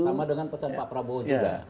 sama dengan pesan pak prabowo juga